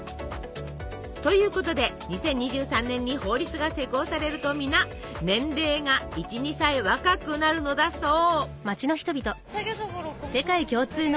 ということで２０２３年に法律が施行されると皆年齢が１２歳若くなるのだそう。